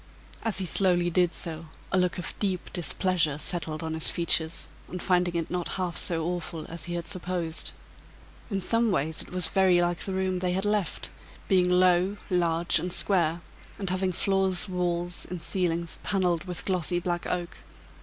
As he slowly did so, a look of deep displeasure settled on his features, on finding it not half so awful as he had supposed. In some ways it was very like the room they had left, being low, large, and square, and having floors, walls and ceiling paneled with glossy black oak.